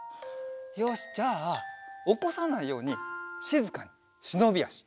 よしじゃあおこさないようにしずかにしのびあし。